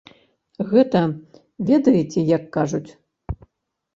Гэта, ведаеце, як кажуць?